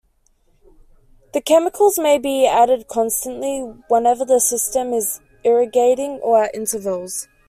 The chemicals may be added constantly whenever the system is irrigating or at intervals.